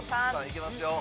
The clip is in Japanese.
いけますよ。